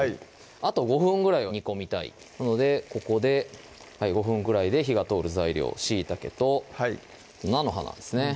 あと５分ぐらいは煮込みたいのでここで５分ぐらいで火が通る材料しいたけと菜の花ですね